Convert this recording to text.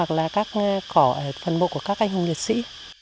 các anh hùng liệt sĩ